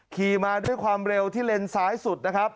ขี่มาด้วยความเร็วที่เลนซ้ายสุดนะครับ